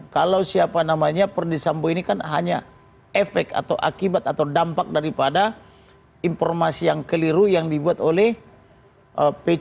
kalau siapa namanya perdisambo ini kan hanya efek atau akibat atau dampak daripada informasi yang keliru yang dibuat oleh p tiga